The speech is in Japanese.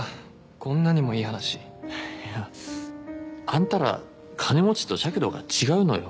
こんなにもいい話いやあんたら金持ちと尺度が違うのよ